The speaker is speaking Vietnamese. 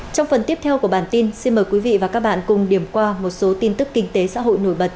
trong phần tiếp theo của bản tin xin mời quý vị và các bạn cùng điểm qua một số tin tức kinh tế xã hội nổi bật